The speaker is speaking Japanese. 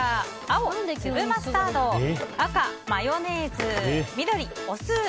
青、粒マスタード赤、マヨネーズ緑、お酢。